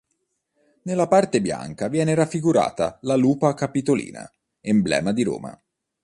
Nella parte bianca viene raffigurata la "lupa capitolina", emblema di Roma.